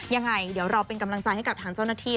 ยังไงเดี๋ยวเราเป็นกำลังใจให้กับทางเจ้าหน้าที่